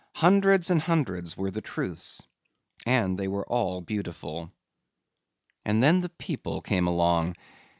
Hundreds and hundreds were the truths and they were all beautiful. And then the people came along.